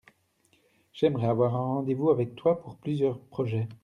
J’aimerais avoir un rendez-vous avec toi pour plusieurs projets.